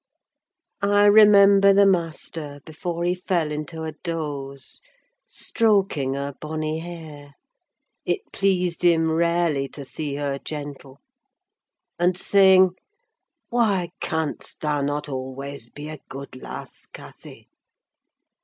I remember the master, before he fell into a doze, stroking her bonny hair—it pleased him rarely to see her gentle—and saying, "Why canst thou not always be a good lass, Cathy?"